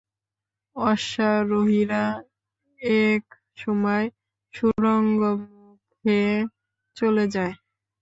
অশ্বারোহীরা এক সময় সুড়ঙ্গ মুখে চলে যায়।